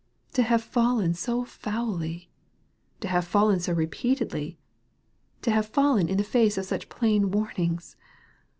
To have fallen so foully ! To have fallen so repeatedly ! To have fallen in the face of such plain warnings